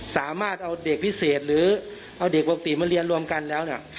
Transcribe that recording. สามารถเอาเด็กพิเศษหรือเอาเด็กปกติมาเรียนรวมกันแล้วเนี่ย